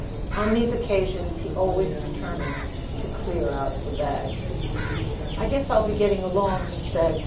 On these occasions he always determined to clear out the bag. "I guess I'll be getting along," he said.